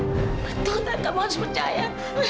betul tan kamu harus percaya